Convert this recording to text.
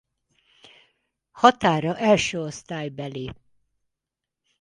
Határa első osztálybeli.